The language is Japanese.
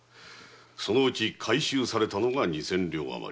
そのうち回収されたのが二千両あまり。